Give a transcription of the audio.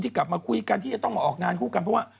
มีการที่จะต้องมาออกงานคู่กันเพราะว่า